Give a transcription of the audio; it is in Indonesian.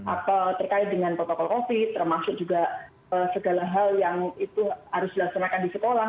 apa terkait dengan protokol covid termasuk juga segala hal yang itu harus dilaksanakan di sekolah